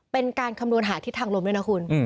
เป็นการคำนวณหาทิศทางลมด้วยนะคุณ